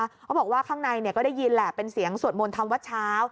เขาบอกว่าข้างในก็ได้ยินแหละเป็นเสียงสวดมนต์ทำวัดเช้า